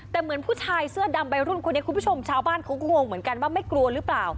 แต่เหมือนผู้ชายเสื้อดำวัยรุ่นคนนี้คุณผู้ชมชาวบ้านเขาก็งงเหมือนกันว่าไม่กลัวหรือเปล่า